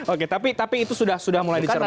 oke tapi itu sudah mulai dicermati